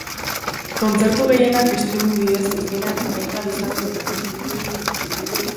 Kontzertu gehienak streaming bidez, zuzenean, jarraitu ahal izango dira.